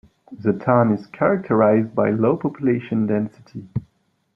The town is characterised by low population density.